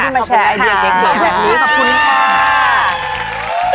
ที่มาแชร์ไอเดียเก็กเก่งแบบนี้ขอบคุณค่ะขอบคุณค่ะ